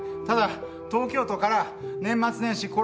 ただ東京都から年末年始